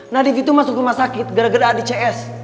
nadif itu masuk rumah sakit gara gara adik cs